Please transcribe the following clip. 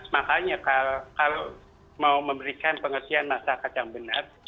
makanya kalau mau memberikan pengertian masyarakat yang benar